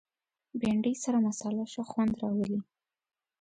بېنډۍ سره مصالحه ښه خوند راولي